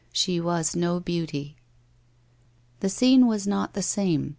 She was no beauty. The scene was not the same.